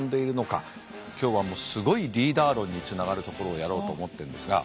今日はすごいリーダー論につながるところをやろうと思ってるんですが。